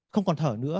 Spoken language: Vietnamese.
không còn thở nữa